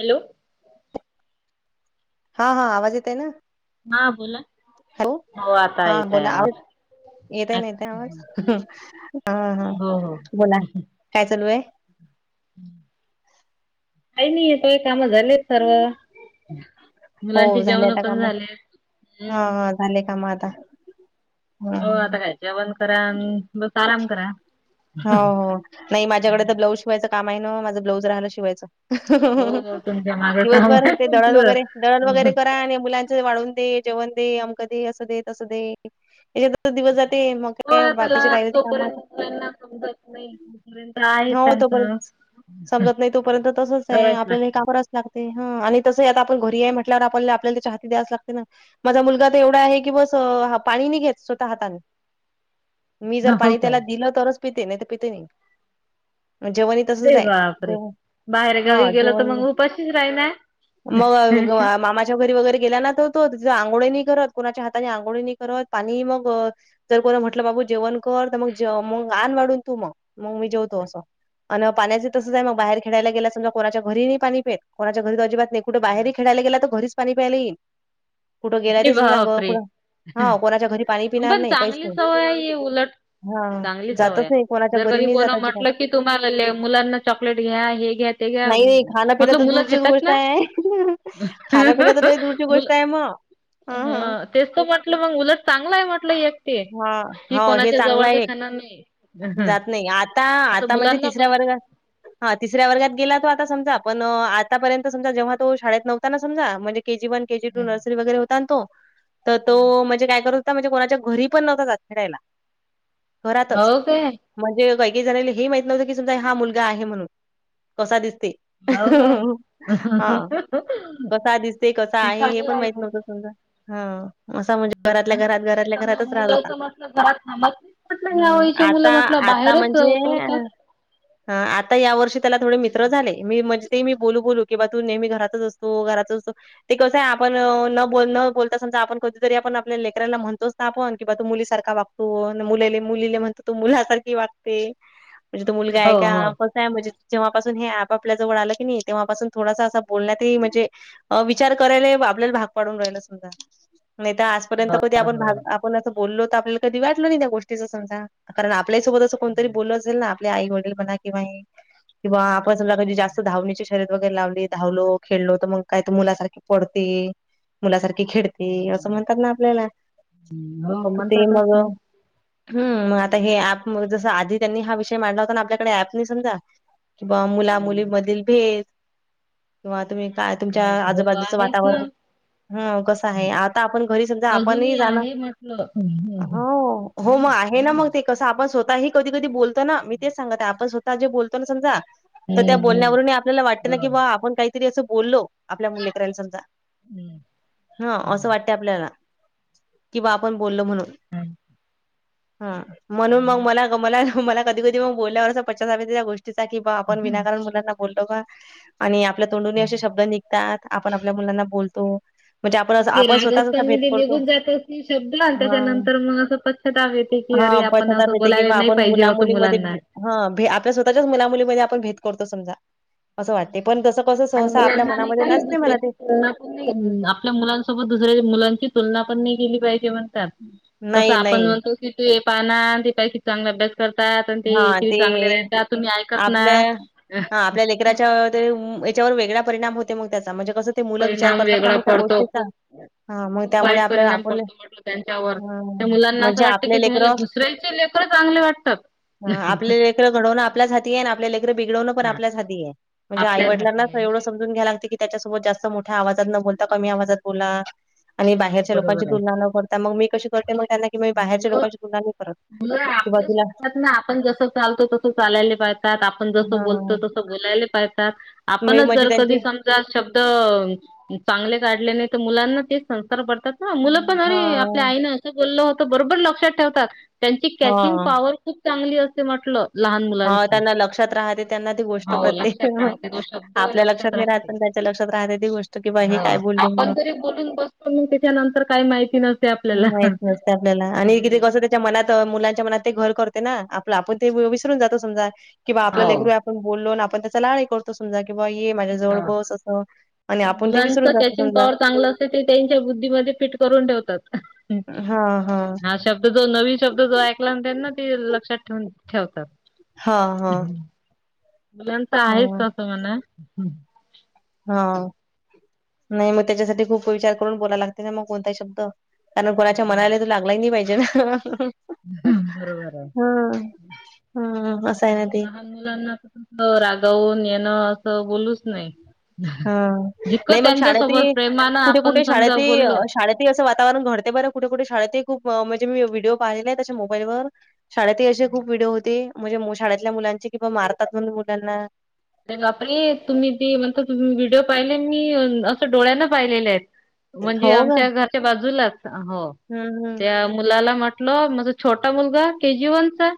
Hello, हा हा, आवाज येत आहे ना. हा, बोला हॅलो की हो, आता हा येतय बोला आवाज. येतय ना ताई आता आवाज, ह हा हो हो बोला काय चालू आहे? काही नाही येतोय, काम झाले आहेत सर्व. हो मुलांचे झाले जेवण आता पण काम झाले, हा हम्म. हा झाले काम आता? ह हो आता काय जेवण करा अन्, बस आराम करा. हो हो नाही माझ्याकडे तर ब्लाऊज शिवायचं काम आहे ना, माझं ब्लाऊज राहिला शिवायचं. हो हो तुमच्या मागे काम दिवसभर आहे ते दळण तुमचं वगैरे, दळण वगैरे करा आणि मुलां वाढून दे, जेवण दे, अमक दे, असं दे, तसं दे याच्यात दिवस जाते, मग हो का त्याला बाकीचे राहिले ते कामा तोपर्यंत मुलांना समजत नाही. तोपर्यंत आहेच हो त्यांचं तोपर्यंत समजत नाही तोपर्यंत तसच आहे करायच आपल्या ही लागत काम करावच लागतंय आणि तसं आता आपण घरी आहे म्हटल्यावर आपल्याला आपल्याला चहा तेन द्यायच लागते ना. माझा मुलगा तर एवढा आहे की, बस पाणी नाही घेत स्वतः हाताने मी जर हो पाणी काय त्याला दिलं तरच पिते, नाही तर पिते नाही जेवण तसंच अरे आहे. बापरे, बाहेर हां, गावी गेल तर जेवण मग उपाशीच राहि ना. मग मामाच्या घरी वगैरे गेला ना तो तिथं आंघोळ हि नाही करत, कोणाच्या हाताने आंघोळ करत पाणी हि मग जर कोणा म्हटलं बाबू जेवण कर, तर मग मग आन वाढून तू मग मग मी जेवतो असं. अ पाण्याचेही तसंच आहे, मग बाहेर खेळायला गेला समजा कोणाच्या घरी नाही पाणी पेत कोणाच्या घरी तर अजिबात नाही कुठे बाहेर खेळायला गेला, तर घरीच पाणी प्यायला येईल कुठं गेला ते सांग बापरे कुठ हा कोणाच्या घरी पाणी पिणार पण नाही, काहीच चांगली नाही, सवय आहे ही उलट हा. चांगली सवय जातच आहे, नाही कोणाच्या जर घरी कोणी नाही कधी जात अजिबात म्हटलं की मुलांना चॉकलेट घ्या, हे घ्या ते घ्या नाही नाही खानं- पिन मतलब तर मुलं दूरचीच घेतात गोष्ट ना आहे, खाणं- पिणं तर लई दूरची मुलं गोष्ट आहे. [unintelligible] म. हा तेच तर म्हटलं मग, उलट चांगलंय म्हटलं एक. ते. हा कि हो हे कोणाच्या चांगलं जवळचं आहे एक, खाणार नाही. हं. जात नाही आता असं आता म्हणजे मुलांना तिसऱ्या म्हण वर्गात ह. हा तिसऱ्या वर्गात गेला तो आता समजा, पण आतापर्यंत समजा जेव्हा तो शाळेत नवता ना समजा म्हणजे K G one, K G two, nursery वगैरे होता ना तो तर तो म्हणजे काय करत होता म्हणजे कोणाच्या घरी पण नव्हता जात खेळायला, घरातच. हो काय म्हणजे कैके जणाला हे ही माहित नव्हतं की, समजा हा मुलगा आहे म्हणून, कसा दिसते. हो काय. हा कसा दिसते, कसा आहे हे चांगलं पण मग. नव्हतं समजा. हा असा म्हणजे हो घरातल्या ना. -घरात नाही घरातल्या तर मग घरातच राहत मुलं होता, तर म्हटलं घरात थांबत नाहीत म्हटलं ह्या हं वयची आता मुलं म्हटलं आता बाहेरच म्हणजे पडतात. [unintelligible] ह आता या वर्षी त्याला थोडे मित्र झाले, मी म्हणजे ते मी बोलू बोलू की, बा तू नेहमी घरातच असतो घरातच असतो ते कसं आहे आपण न बोल, न बोलता समजा आपण कधीतरी आपण आपल्या लेकरांना म्हणतो चं ना आपण की बा तू मुलीसारखा वागतो, मुलालि मुलीले म्हणतो तू मुलासारखी वागते. म्हणजे तू मुलगा आहे हो का हो नाय म्हणजे जेव्हापासून हे आपापल्या जवळ आलं की नाही, तेव्हापासून थोडासा असा बोलण्यात म्हणजे विचार करायला आपल्याला भाग पाडून राहिल, समजा नाही तर आजपर्यंत कधी आपण बरोबर आहे. भाग आपण असं बोललो तर आपल्याला कधी वाटलं नाही त्या गोष्टी समजा, कारण आपल्यासोबत असं कोणतरी नाही. बोल असेल ना. आपले आई -वडील म्हणा किं हे किंवा आपण समजा की जास्त हां. धावण्याची शर्यत वगैरे लावली, धावलो खेळलो, तर मग काय तर मुलासारखी पडते मुलासारखी खेळते असं हं. म्हणतात ना आपल्याला. हो त ते म्हणतातच मग. ना. हम् मग आता हे ऍप आधी त्यांनी हा विषय होता ना आपल्याकडे ऍप नाही समजा. किंवा मुला हं. मुलीमधील भेद. किंवा तुम्ही काय तुमच्या हे हो आजूबाजूचं आहेच वातावरण. ना. हा कसं आहे आता आपण घरी समजा आपणही झाल. हा हम हा हा. हो मग आहे ना मग ते कस आपण स्वतःही कधी कधी बोलतो ना मी तेच सांगत आपण स्वता, स्वतः बोलतो ना समजा तर त्या हं, हं. बोलण्यावरून आपल्याला वाट ना की हो. बा आपण काही. तरी अस बोललो आपल्या मुलली करायला समजा हं. हा असं हो. वाटते आपल्याला. किं बा आपण बोललो म्हणून आणि ह म्हणून मग ना. मला मला. मला कधी कधी मग बोलल्यावरं पश्चाताप त्या गोष्टीचा की बा आपण विनाकारण मुलाना, बोललो का आणि आपल्या तोंडनी असे शब्द निघतात आपण आपल्या मुलांना बोलतो. म्हणजे आपण असं ते आपण राग स्वतःच असा असताना भेद ते करतो निघून जात. शब्द आणि हा त्याच्यानंतर मग असं पश्चाताप येत की हा अरे आपण पश्चाताप असं येते की बोलायला बा नाही आपण पाहिजे मुला होत मुलीमध्ये मुलांना. हा भ आपल्या स्वतःच्याच मुला मुलीमध्ये आपण भेद करतो समजा. असं वाटते पण तसं कसं आणि सहसा आपल्या मुलांना नाही मनामध्ये काय नसते म्हणा दुसऱ्याची ते. तुलना पण नाही आपल्या मुलांसोबत दुसऱ्या मुलांची तुलना पण नाही केली पाहिजे म्हणतात कसं नाही आपण नाही म्हणतो. तू हे पाना तुझ्यापेक्षा चांगलं अभ्यास करती. त्यातून ते चांगले राहतात तुम्ही ऐकत आपल्या नाय! हां, आपल्या लेकराच्या त याच्यावर वेगळा परिणाम होते मग त्याचा म्हणजे कसं. ते मुलं विचार परिणाम करतात ना वेगळा मग त्या पडतो गोष्टीचा. खूप. हां, मग खूप त्यामुळे वाईट आपल्याला परिणाम आपण पडतो म्हटल त्यांच्यावर हां, मुलांना असं म्हणजे वाटत की आपले तुम्हाला लेकरं दुसऱ? दुसऱ्याच्या लेकर चांगले वाटतात. ह आपल्या लेकर घडवणं आपल्याच हाती आहे आणि आपल्या लेकर बिगडवणं पण हा आपल्याच हाती आहे. म्हणजे आई आपल्या घातली वडीलनाच एवढं आहे. समजून घ्याय लागते की, त्याच्यासोबत जास्त मोठ्या आवाजात न बोलता कमी आवाजात बोला आणि हा बाहेरच्या लोकांची बरोबर आहे तुलना तर मग मी कशी करते मग त्यांना कि म बाहेरच्या मुलं लोकांशी तुलना नाही करत मुलं कि आपलं बावा तुला, शिकतात ना आपण जसं चालतो तसं चालायले पाहतात आपण जसं बोलतो हां, तसं बोलायला पाहतात. मी आपणच म्हणजे जर कधी त्यांची सम चार शब्द चांगले काढले नाही तर ते मुलांना तेच संस्कार पडतात. ह मुलं पण अरे आपल्या हां, आईन बोल होत बरोबर लक्षात ठेवतात त्यांची कॅचिंग पॉवर खूप चांगली असे म्हटलं. लहान हा मुलांची त्यांना लक्षात राहते त्यांना ती गोष्ट हो प्रत्येक तेन लक्षात राहते तो शब्द आपल्या लक्षात नाही राहत राहते पण. त्याच्या लक्षात राहते ती गोष्ट की बा हे काय हो बोलली आपण म्हणून. जरी बोलून बसतो मग त्याच्या नंतर काही माहिती नसते आपल्याला. माहित नसते आपल्याला आणि कितीका असुदेत, मनात मुलांच्या मनात ते घर करते ना आपलं आपण ते विसरून जातो समजा कि बा आपला हो लेकरू. कोण बोललो आपण त्याचा लाडही करतो. समजा कि बा ये माझ्या जवळ बस असं आणि आपण ते मुलांचं विसरून जातो कॅचिंग समजा. पॉवर चांगलं ते त्यांच्या बुद्धीमध्ये फिट करून ठेवतात हा शब्द, शब्द जो नवीन शब्द जो ऐकला त्यां ना ते लक्षात ठेवून ठेवतात. हा हा. मुलांच तर आहेच हा तसं म्हणा. हा नाही मग त्याच्यासाठी खूप विचार करून बोलायला लागते ना मग कोणताही शब्द. कारण कोणाच्या मनाला तो लागला नाही पाहिजे ना. बरोबर आहे. हम हम अस हाय ना ते. लहान मुलांना तस रागावून येणं असं बोलूच नये. हा नाही मग शाळेत ही प्रेमानं कुठे आपण कुठे शाळेत समजा ही बोललो शाळेत. असं वातावरण घडते बरं कुठे कुठे शाळेतही खूप म्हणजे मी व्हिडिओ पाहिलेले आहेत अशे मोबाईल वर. शाळेतही असे खूप व्हिडिओ होते म्हणजे शाळेतल्या मुलांचे की बा मारतात म्हण मुलांना. आरे बापरे तुम्ही ते म्हणता. तुम्ही व्हिडिओ पाहिले ना मी असं डोळ्यांन पाहिलेले आहेत. म्हणजे हो का? आमच्या घरच्या बाजूलाच हो हं, हं. त्या मुलाला म्हंटलो [unintelligible] छोटा मुलगा केजी वन चा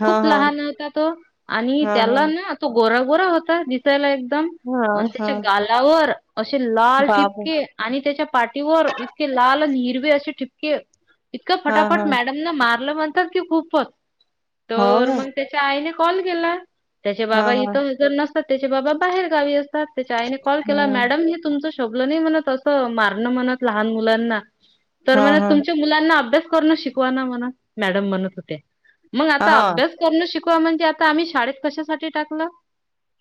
हां, खूप हां. लहान होता तो आणि हां, हां. त्याला ना तो गोरा गोरा होता दिसायला एकदम. हां, आणि त्याच्या हां. गालावर अशे लाल बापरे! ठिपके. आणि त्याच्या पाठीवर इतके लाल आन हिरवे अशे ठिपके इतक हां, हां. फटाफट मॅडम [unintelligible] मॅडमन मारलं म्हणतात की खूप हो तर का? मग त्याच्या आईने कॉल केला. त्याचे हां, बाबा हां. इथं हजर नसतात त्याचे बाबा बाहेर गावी असतात त्याच्या आईने कॉल केला हं. मॅडम. हे तुमच शोभल नाही असं मारन म्हणत अस लहान मुलांना तर हां, म्हणत हां. तुमचे. तुम्ही मुलांना अभ्यास करण शिकवा ना म्हण मॅडम म्हणत होत्या मग हां, आता अभ्यास. करण शिकवा म्हणजे आता आम्ही शाळेत कशासाठी टाकलं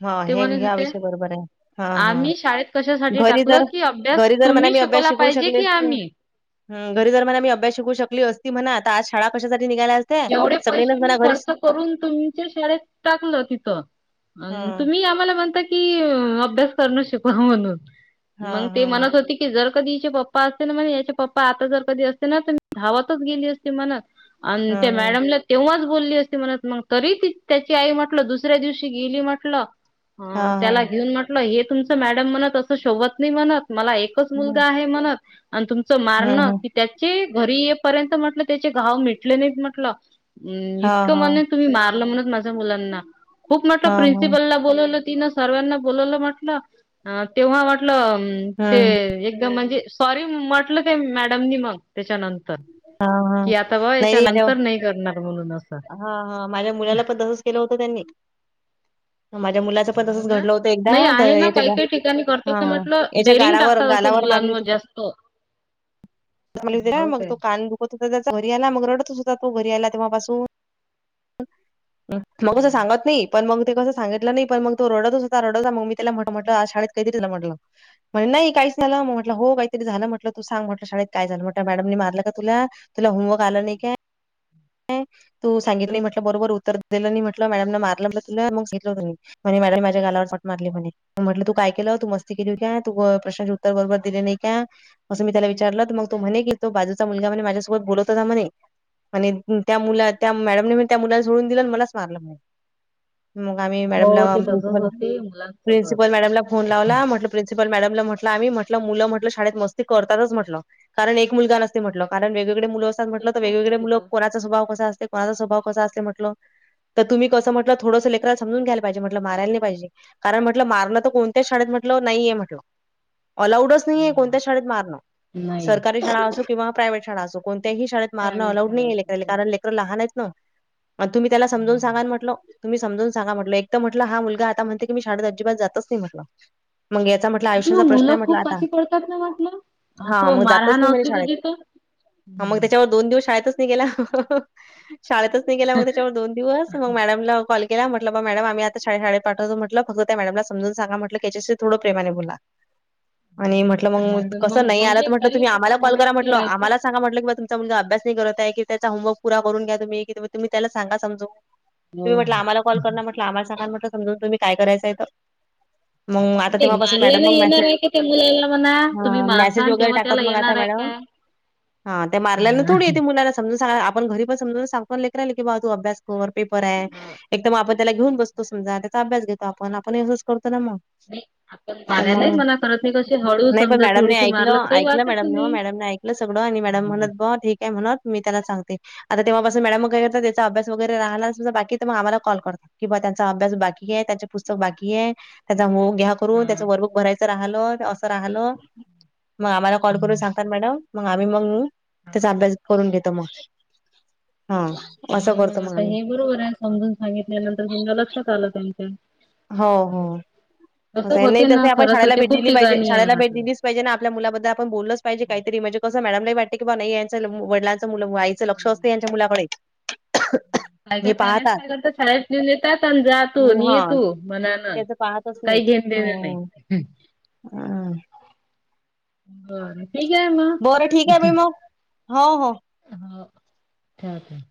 हा ते हे म्हणत हा होते. विषय बरोबर आहे. हा हा आम्ही शाळेत कशासाठी घरी टाकलं जर की अभ्यास घरी जर म्हणा तुम्ही मी अभ्यास शिकवला शिक [inaudible] शिकवू पाहिजे शकले की असते आम्ही. ह घरी जर म्हणा अभ्यास शिकवू शकली असती. म्हणा आता आज शाळा कशासाठी निघाल्या हायत ते सगळी न म्हणा घरीच करुन तुमच्या शाळेत टाकलं तिथं अन हं. तुम्ही आम्हाला आम्हाला म्हणता की अभ्यास करण शिकवा म्हणून मंग हां, ती हां. म्हणत होती. की जर तिचे पप्पा असते ना म्हणे याच्या पप्पा आता जर कधी असते ना तरी धावातच गेली असते म्हण अन हां, त्या हां. मॅडमला तेव्हाच बोलली असती म्हणत मग तरी त्याची आई म्हटलं दुसऱ्या दिवशी गेली म्हटलं हां, त्याला हां. घेऊन म्हटलं हे तुमचं मॅडम म्हणत असं शोभत नाही म्हणत मला एकच हं. मुलगा आहे म्हणत आणि तुमचं हां, मारणं हां. की [unintelligible] त्याचे घरी येपर्यंत म्हटलं त्याचे घाव मिटले नाहीत म्हटलं अ हां, इतकं हां. म्हणत तुम्ही मारलं म्हणत माझ्या मुलांना खूप म्हटलं हां, हां. प्रिंसिपलला बोलवलं तिनं सर्वांना बोलवलं म्हटलं तेव्हा वाटलं अम ते हं. एकदम म्हणजे सॉरी म्हटलं त्या मॅडमनी मग त्याच्यानंतर हा हा कि आता बा याच्या नाही हा नंतर नाही करणार म्हणून असं हा माझ्या मुलाला पण तसंच केलं होतं त्यांनी म माझ्या मुलाचं पण हो तसंच ना घडलं होतं एकदा नाही आहे तर ना याच्या काही गा काही ठिकाणी करतात ना हां. म्हटलं याच्या डेरिंग गालावर टाकतात असं गालावर मारली मुलांवर होती. जास्त त [unintelligible] मग तो कान दुखत होता त्याचा घरी आला मग रडतच होता तो घरी आला तेव्हा पासून तो असं सांगत नाही पण मग ते कसं सांगितलं नाही पण मग तो रडतच होता रडतच होता मग मी त्याला म्हटलं आज शाळेत काय झालं तुझ्या म्हटलं म्हणे नाही काहीच नाही झालं म म्हटलं हो काहीतरी झालं म्हटलं तू सांग म्हटलं शाळेत काय झालं म्हटलं मॅडमनी मारलं का तुला तुला होमवर्क आला नाही [inaudible] काय तू सांगितलं नाही म्हटलं बरोबर उत्तर दिलं नाही म्हटलं मॅडम न मारलं म्हटलं तुला मग सांगितलं त्यांनी म्हणे मॅडमनी माझ्या गालावर फाट मारली म्हणे म म्हटलं तू काय केलं तू मस्ती केली काय तू प्रश्नाचे उत्तर बरोबर दिले नाही काय असं मी त्याला विचारलं तर मग तो म्हणे की तो बाजूचा मुलगा म्हणे माझ्यासोबत बोलत होता म्हणे आणि त्या मुला त्या मॅडमने म्हणे त्या मुलाला सोडून दिलं अन मलाच मारलं म्हणे मग आम्ही मॅडमला हो ते तसच प्रिन्सिपल. होते प्रिन्सिपल मुलांसोबत मॅडमला फोन लावला म्हटलं. प्रिन्सिपल मॅडमला म्हटलं आम्ही म्हटलं मुलं म्हटलं शाळेत मस्ती करतातच म्हटलं. कारण एक मुलगा नसते म्हटलं कारण वेगवेगळे मुलं असतात म्हटलं एक तर नसते वेगवेगळे मुलं तिथं कोणाचा स्वभाव कसा असते कोणाचा स्वभाव- कसं असते म्हटलं तर तुम्ही कसं म्हटलं थोडंस लेकराला समजून घ्यायला पाहिजे म्हटलं मारायला नाही पाहिजे. कारण म्हटलं मारणं तर कोणत्याच शाळेत म्हटलं नाहीये म्हटलं. अलाउडच- नाहीये कोणत्या शाळेत मारणं. नाही सरकारी शाळा असो किंवा प्रायव्हेट शाळा असो कोणत्याही शाळेत- मारणं प्रायव्हेट अलाउड शाळा नाहीये असतात लेकराले. त्या. कारण लेकरं लहान आहेत ना आणि तुम्ही त्याला समजवून सांगा ना म्हटलं. तुम्ही समजवून सांगा म्हटलं एक तर म्हटलं हा मुलगा आता म्हणते की मी शाळेत अजिबातच जातंच नाही म्हटलं. मंग याचा म्हटलं नाही, आयुष्याचा मग प्रश्न मुलं आहे म्हटलं खूप आता. पाशी पडतात ना म्हटलं हा असं मग जातंच मारहाण नाही म्हणे असली शाळेत. कधी तर हा मग हम्म त्याच्यावर- दोन दिवस शाळेतच नाही गेला ह ह ह. शाळेतच नाही गेला मग त्याच्यावर दोन दिवस- मग मॅडमला कॉल केला म्हटलं बघा मॅडम आम्ही आता शाळे शाळेत पाठवतो म्हटलं फक्त त्या मॅडमला समजून सांगा म्हटलं की आता याच्याशी- थोडं प्रेमाने बोला. आणि म्हटलं नाही मग तर कसं नाही आलं म्हणजे तर म्हटलं तरी तुम्ही त्याच्या आम्हाला कॉल मनात करा ते म्हटलं, राहतेच आम्हालाच- सांगा म्हटलं की तुमचा मुलगा अभ्यास नाही करत आहे की त्याचा होमवर्क पुरा करून घ्या तुम्ही कि तुम्ही त्याला सांगा समजवून. तुम्ही हो म्हटलं आम्हाला कॉल करा ना म्हटलं आम्हाला सांगा ना म्हटलं समजून तुम्ही काय करायचंय त- मग आता नाही तेव्हापासून मॅडम मारल्याला मग येणार मेसेज, आहे का त्या मुलाला म्हणा तुम्ही हा मेसेज मारसान वगैरे तेव्हा टाकतात त्याला मग आता येणार आहे मॅडम. काय हा त्या मारल्यानं थोडी हा येते मुलांना समजून सांगा- आपण घरी पण समजवूनच सांगतो ना लेकराले की बाबा तू अभ्यास कर पेपर आहे एकदम आपण- त्याला घेऊन बसतो समजा त्याचा अभ्यास घेतो आपण आपण असंच करतो ना मग. [unintelligible] ण तर मग मारायलाही मना करत नाही कशी हळू नाही पण समजा मॅडमने थोडीशी मारलं ऐकलं तर काही ऐकलं वाटत मॅडमनं नाही. मॅडमने ऐकलं सगळं आणि मॅडम म्हणत बुवा ठीक आहे म्हणत मी त्याला सांगते आता तेव्हापास- मॅडम मग काय करता, त्याचा अभ्यास वगैरे राहला असेल बाकी तर मग आम्हाला कॉल करता. कि बुवा त्यांचा अभ्यास बाकी आहे, त्यांचे पुस्तक बाकी आहे, त्याचा होम- घ्या करून त्याच वर्कबुक भरायचं राहलं, असं राहलं, मग आम्हाला कॉल करून सांगतात मॅडम‌. मग आम्ही मंग त्याचा अभ्यास करून घेतो मग. हा असं आणि मग करतो आता आम्ही. हे बरोबर आहे समजून सांगितल्यानंतर तुमच्या लक्षात आलं त्यांच्या. हो हो तसं असं आहे. नाही होते ना तसही आपण खरंच शाळेला होते भेट खूप दिली पाहिजे. ठिकाणी आहे शाळेला भेट म्हटलं दिलीच- पाहिजे ना, आपल्या मुलांबद्दल आपण बोललच पाहिजे काहीतरी म्हणजे कस मॅडमलाही वाट- कि बुवा नाही यांच वडिलांच मुलं आईचं लक्ष असते यांच्या मुलाकडे. काही काही हे पेरेंट्स पाहतात. काय करतात शाळस घेऊन जातात आणि जा तू हं, न् ये हां. तू म्हणत - ह त्याचं पाहतच काही घेण देण नाही. हा हो आले. बरं ठीक आहे बाई मग. हो हो. हो. ठेवते.